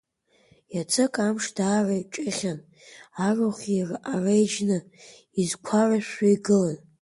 Иацык амш даара иҷыхьын, арахә ареиџьны, изқәарышәшәо игылан.